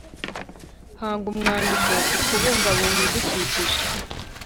Hanga umwandiko ku kubungabunga ibidukikije